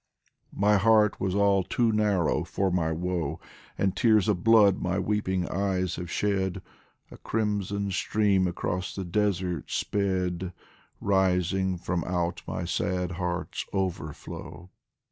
My heart was all too narrow for my woe, And tears of blood my weeping eyes have shed, A crimson stream across the desert sped, Rising from out my sad heart's overflow.